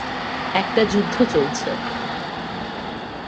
একটা যুদ্ধ চলছে!